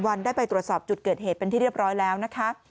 วันได้ไปตรวจสอบจุดเกิดเหตุเป็นที่เรียบร้อยแล้วนะคะ